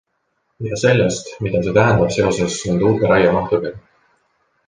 Ja sellest, mida see tähendab seoses nende uute raiemahtudega...